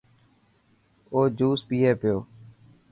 او جوس پئي پيو.